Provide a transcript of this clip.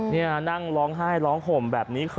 นี่นั่งร้องไห้ร้องห่มแบบนี้